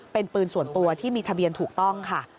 เป็นปืนส่วนตัวที่มีทะเบียนถูกต้องค่ะ